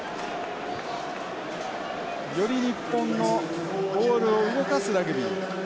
より日本のボールを動かすラグビー。